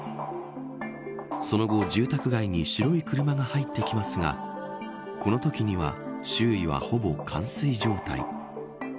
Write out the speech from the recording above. その後、住宅街に白い車が入ってきますがこのときには周囲はほぼ冠水状態。